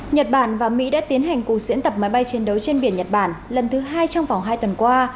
nhật bản và mỹ đã tiến hành cuộc diễn tập máy bay chiến đấu trên biển nhật bản lần thứ hai trong vòng hai tuần qua